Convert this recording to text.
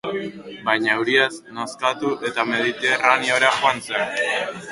Baina euriaz nazkatu eta Mediterraneora joan zen.